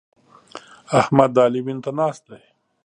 احمد د علي وينو ته ناست دی.